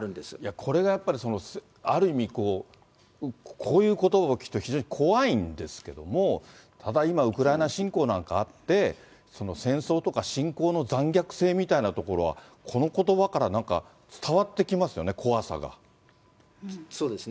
これがやっぱりある意味こう、こういうことば、きっと非常に怖いんですけど、ただ今、ウクライナ侵攻とかあって、戦争とか侵攻の残虐性みたいなことは、このことばからなんか、伝そうですね。